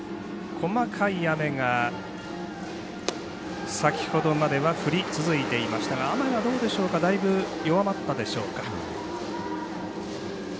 細かい雨が先ほどまでは降り続いていましたが雨がだいぶ弱まったでしょうか。